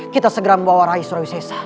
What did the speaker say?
kita segera membawa rai surawi sese